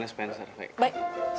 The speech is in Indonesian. nah terserah dudes